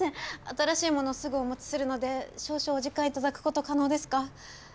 新しいものをすぐお持ちするので少々お時間頂くこと可能ですか？